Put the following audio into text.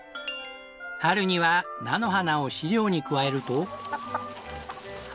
春には菜の花を飼料に加えると。